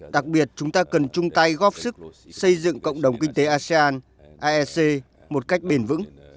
đặc biệt chúng ta cần chung tay góp sức xây dựng cộng đồng kinh tế asean aec một cách bền vững